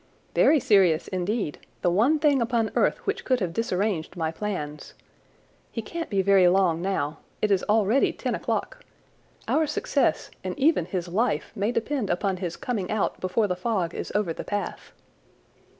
"Very serious, indeed—the one thing upon earth which could have disarranged my plans. He can't be very long, now. It is already ten o'clock. Our success and even his life may depend upon his coming out before the fog is over the path."